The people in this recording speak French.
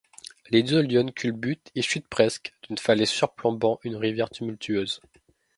Les deux lionnes culbutent et chutent presque d'une falaise surplombant une rivière tumultueuse.